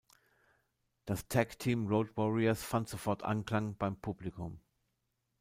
Das Tag Team Road Warriors fand sofort Anklang beim Publikum.